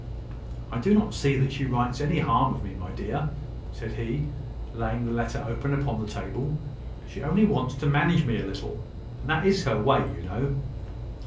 "I do not see that she writes any harm of me, my dear," said he, laying the letter open upon the table. "She only wants to manage me a little: and that is her way, you know."